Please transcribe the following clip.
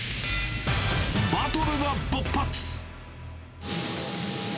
バトルが勃発！